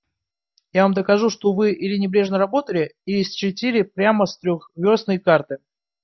Я вам докажу, что вы или небрежно работали, или счертили прямо с трехвёрстной карты.